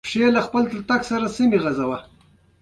پخوا به هر يو باچا دا کوښښ کولو چې مضبوطه قلا جوړه کړي۔